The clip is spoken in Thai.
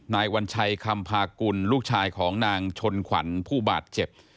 วัญชัยคำพากุลลูกชายของนางชนขวัญผู้บาดเจ็บ